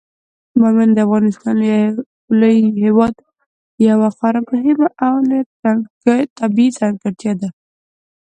بامیان د افغانستان هیواد یوه خورا مهمه او لویه طبیعي ځانګړتیا ده.